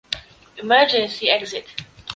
Emergency exit